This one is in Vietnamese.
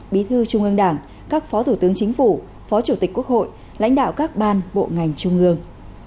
bí thư trung ương đảng các phó thủ tướng chính phủ phó chủ tịch quốc hội lãnh đạo các ban bộ ngành trung ương